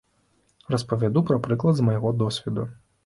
Распавяду пра прыклад з майго досведу.